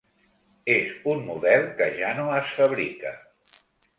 És un model que ja no es fabrica.